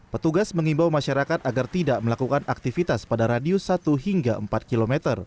petugas mengimbau masyarakat agar tidak melakukan aktivitas pada radius satu hingga empat km